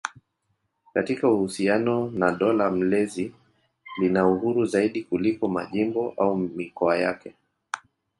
Katika uhusiano na dola mlezi lina uhuru zaidi kuliko majimbo au mikoa yake.